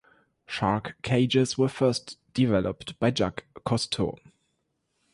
Shark cages were first developed by Jacques Cousteau.